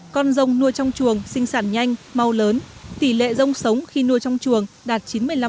con rồng nuôi trong chuồng sinh sản nhanh mau lớn tỷ lệ rông sống khi nuôi trong chuồng đạt chín mươi năm